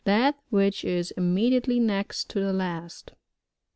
That which is immediately next to the last.